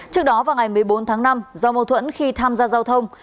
trước đó vào ngày một mươi bốn tháng năm do mâu thuẫn khi tham gia giao thông